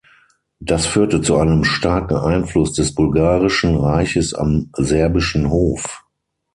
Das führte zu einem starken Einfluss des bulgarischen Reiches am serbischen Hof.